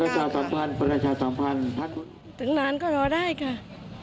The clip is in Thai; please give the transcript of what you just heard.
พยาบาลสุขภาพตำบลเยอะกว่านี้กว่า